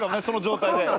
その状態で。